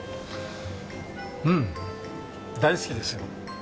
うん大好きですよ。